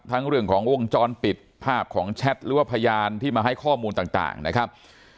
เรื่องของวงจรปิดภาพของแชทหรือว่าพยานที่มาให้ข้อมูลต่างนะครับ